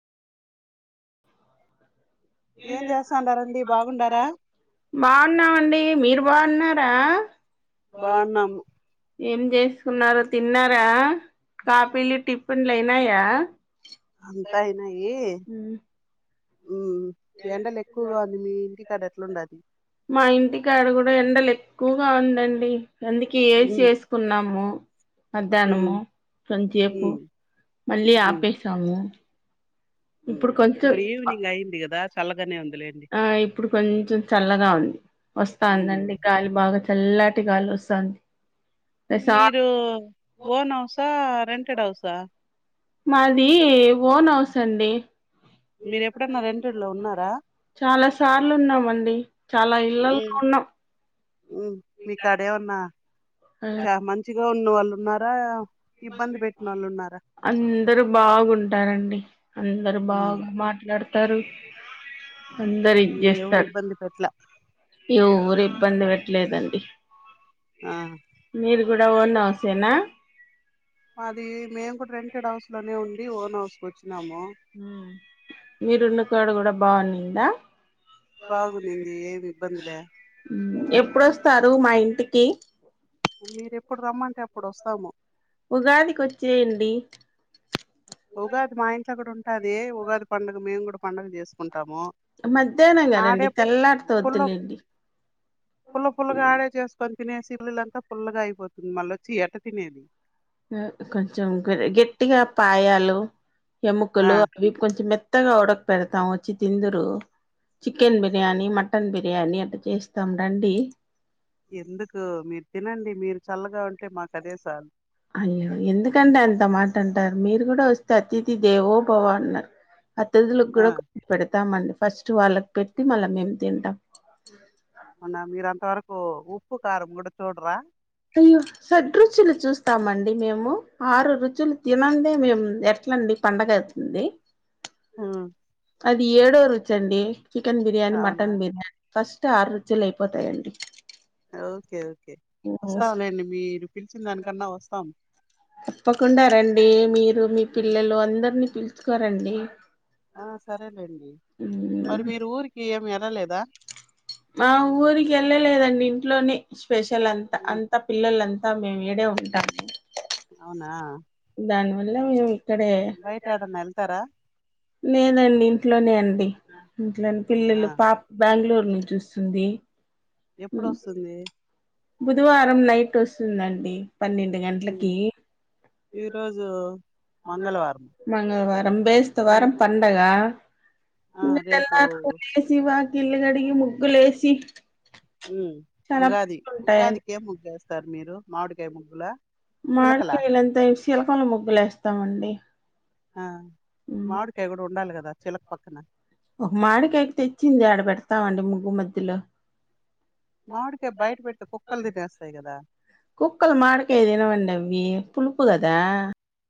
ఏం చేస్తాండారండి బాగుండారా బాగున్నామండీ మీరు. బాగున్నారా. బావున్నాము. ఏం చేస్తున్నారో తిన్నారా. కాఫీలు, టిఫిన్లు అయినాయా. అంతా అయినాయీ. ఉమ్ ఎండలు ఎక్కువగా ఉండిందీ. మీ ఇంటికాడ ఎట్లుండాది. టి కాడ కూడా ఎండలు ఎక్కువగా ఉందండి. అందుకే ఏసి ఉమ్ ఏసుకున్నామూ. ఉమ్ మధ్యాహ్నమూ కొంచేపు ఉమ్ మళ్ళీ ఉమ్ ఆపేసామూ. ఉమ్. ఇప్పుడు ఈవెనింగ్ అయ్యింది గదా. చల్లగానే ఉంద్. ఆ ఇప్పుడు కొంచెం చల్లగా ఉంది. వస్తాన్ ఉమ్ దండి గాలి బాగా. చల్లాటి గాలి వస్తాంది. ప్రశా మీరూ, ఓన్ హౌసా. రెంటెడ్ హౌసా. మాదీ ఓన్ హౌస్ అండీ. మీరు ఎప్పుడన్నా రెంటెడ్ లో ఉన్నారా చాలా సార్లు ఉన్నామండి. చాలా ఇళ్లల్లో ఉమ్ ఉన్నాం ఉమ్. మీకాడా ఏమన్నా చామంచి. లో ఉన్న వాళ్ళు ఉన్నారా. ఇబ్బంది పెట్టినోళ్ళు ఉన్నారా అందరు బాగుంటారండి. అందరు ఆ, బాగా మాట్లాడుత్. తారు. అందరు ఇది ఉమ్, ఎవరు చేస్తార్. ఇబ్బంది పెట్లా యో ఎవరు ఇబ్బంది పెట్లేదండి. ఆ మీది కూడా ఓన్ హౌసేనా. మాదీ, మేం కూడ రెంటెడ్ హౌసులోనే ఉన్న్ మీ ఓన్ హౌస్కి వచ్చి. ఉమ్ మీరున్న క్కాడ. కూడా బావుండిందా. బాగుందింది ఏమి ఇబ్బంది లే. ఇప్పుడొస్తారు మా ఇంటికి. మీరెప్పుడు రమ్మంటే అప్పుడు వస్తాము. ఉగాది కొచ్చేయండి. ఉగాది మా ఇంట్లో కూడా ఉన్. టాది ఉగాది పండగ మేము కూడా పండగ చేసుకున్. మధ్యాహ్నం కదండి తెల్లారితే పుల్ల వద్దులేండి. పుల్ల పుల్లగా ఆడే చేసుకొని తినేసి పుల్లలంత పుల్లగా అయిపోతుంది మళ్ళోచి ఎట్ట తినేది. అహ్ కొంచెం గట్టిగా పాయాలు. ఆ ఎముకలు అవి కొంచెం మెత్ కొత్తగా ఉడక పెడతాం వచ్చి తిందురు చికెన్ బిర్యానీ మటన్ బిర్యానీ అట్ చేస్తాం రండి ఎందుకు మీరు తినండి మీర్ చల్లగా ఉంటే మాకు అదే చాలు అయ్యో ఎందుకండి అంత మాట అంటారు మీరు కూడా వస్తే అతిథి దేవోభవా అన్న అతిథులకు ఆ కూడా కో పెడతామండి ఫస్ట్ వాళ్ళక్ పెట్టి మళ్ళా మేం తింటాం మన్న మీర అంత వరకు ఉప్పు కారం కూడ చూడరా హమ్ సేడ్ రుచులు చూస్తామండి మేము ఆరు రుచులు తినందే మేం ఎట్లండి పండగ అవుతుంది అది ఏడో రుచ్చండీ చికెన్ బిర్యానీ అవునా మటన్ బిర్యానీ ఫస్ట్ ఆరు రుజులు అయిపోతాయండి ఒకే ఒకే వస్తాంలేండి మీరు పిల్చిం దానికన్నా వస్తాం తప్పకుండా రండి మీరు మీ పిల్లలు అందరినీ పిలుచుకోరండి ఆ సరేలేండి మరి మీరు ఊరికి ఏమి వెళలేదా మా ఊరికి వెళ్ళలేదండి ఇంట్లోనే స్పెషల్ అంత ఉమ్, అంత పిల్లలా అం మేము ఇడా ఉంటం అవునా అళ బయట ఏడన్నా ఎళ్తారా లేదండి ఇంట్లోనే అండి ఆ, ఇంట్లోనే అవునా పిల్లలు పాప బెంగళూరు ను చూస్తుంది ఎప్పుడుస్తుంది బుధవారం నైట్ వస్తుందండి పన్నెండు గంటలకి ఉమ్, ఈరోజు మంగళవారం మంగళవారం బస్ వారం రేపు పండగా ఆ ఇంకా రేపు టెలర్లు లేసి పండగ గిల్గడిగి ముగ్గులే వేసి ఉగాది ఉగాది కేం సార్ మీరు మామిడికాయ ముగ్గులా చిలకలా మాడికయలుంత ఏసి శీలకలు ముగ్గులు వేస్తామండి చిల పక్కన ఒక మాడికాైకి తెచ్చింది ఆడ పెడతామండి ముగ్గు మధ్యలో మాడికాయ్ బయట పెడితే కుక్కల్ తినేస్తాయి కదా కుక్కలు మాడికాయ తినవండి అవి పులుపు కదా